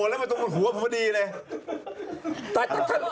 และมันตรงกล่อหัวแผลดีเลย